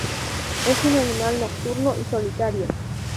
Es un animal nocturno y solitario.